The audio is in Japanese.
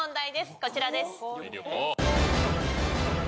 こちらです。